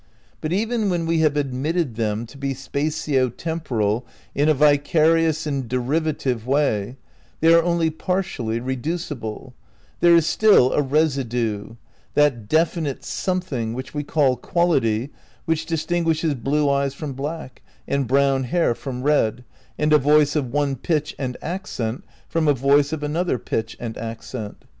But even when we have admitted them to be spatio temporal in a vicarious and derivative way, they are only partially reducible; there is still a "residue," that definite something which we call qual ity which distinguishes blue eyes from black, and brown hair from red, and a voice of one pitch and accent from a voice of another pitch and accent.